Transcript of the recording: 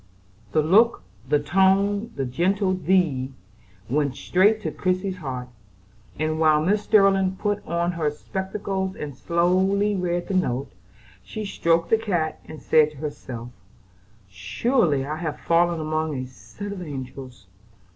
The look, the tone, the gentle "thee," went straight to Christie's heart; and, while Mrs. Sterling put on her spectacles and slowly read the note, she stroked the cat and said to herself: "Surely, I have fallen among a set of angels.